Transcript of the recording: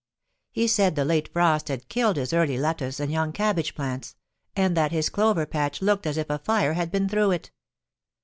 He said the late frost had killed his early lettuce and young cabbage plants, and that his clover patch looked as if a fire had been through it.